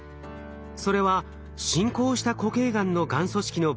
それは進行した固形がんのがん組織の